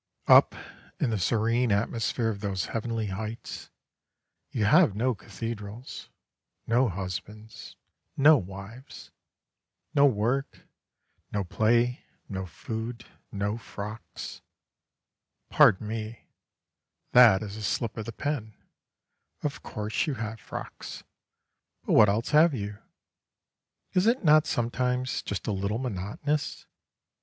Up in the serene atmosphere of those heavenly heights you have no cathedrals, no husbands, no wives, no work, no play, no food, no frocks pardon me, that is a slip of the pen; of course you have frocks, but what else have you? Is it not sometimes just a little monotonous?